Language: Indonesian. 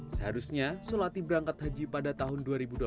seharusnya solatih berangkat haji pada tahun dua ribu dua puluh